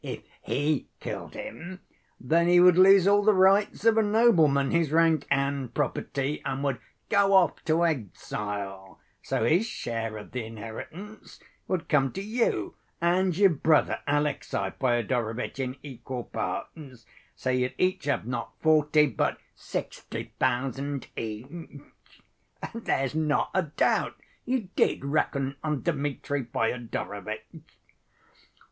If he killed him, then he would lose all the rights of a nobleman, his rank and property, and would go off to exile; so his share of the inheritance would come to you and your brother Alexey Fyodorovitch in equal parts; so you'd each have not forty, but sixty thousand each. There's not a doubt you did reckon on Dmitri Fyodorovitch."